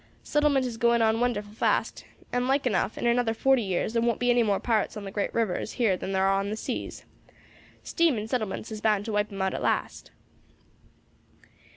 Settlement is going on wonderful fast, and, like enough, in another forty years there won't be any more pirates on the great rivers here than thar are on the seas. Steam and settlements is bound to wipe 'em out at last."